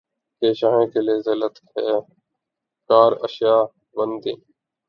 کہ شاہیں کیلئے ذلت ہے کار آشیاں بندی